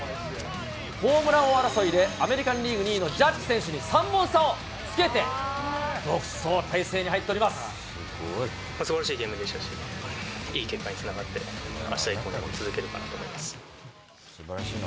ホームラン王争いでアメリカンリーグ２位のジャッジ選手に３本差をつけて、すばらしいゲームでしたし、いい結果につながって、あした以降にも続けるかなと思います。